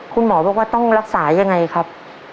คุณหมอบอกว่าต้องรักษายังไงครับ